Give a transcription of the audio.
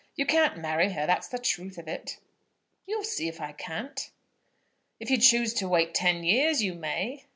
You can't marry her, that's the truth of it." "You'll see if I can't." "If you choose to wait ten years, you may."